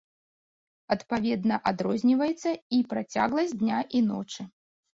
Адпаведна адрозніваецца і працягласць дня і ночы.